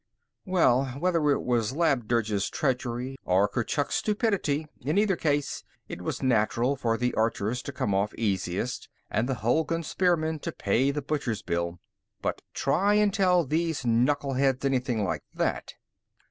"Well, whether it was Labdurg's treachery or Kurchuk's stupidity, in either case, it was natural for the archers to come off easiest and the Hulgun spearmen to pay the butcher's bill. But try and tell these knuckle heads anything like that!